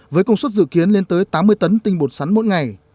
với công suất dự kiến lên tới tám mươi tấn tinh bột sắn mỗi ngày